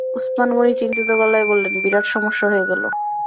ওসমান গনি চিন্তিত গলায় বললেন, বিরাট সমস্যা হয়ে গেল।